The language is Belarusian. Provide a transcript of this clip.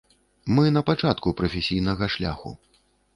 Мы на пачатку прафесійнага шляху.